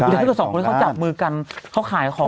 หรือถ้าสองคนเขาจับมือกันเขาขายของน่ะ